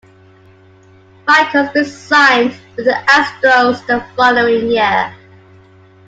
Michaels re-signed with the Astros the following year.